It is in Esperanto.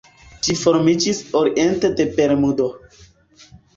Ĝi formiĝis oriente de Bermudo.